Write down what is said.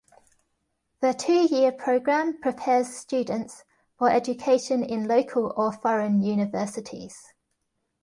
The two-year programme prepares students for education in local or foreign universities.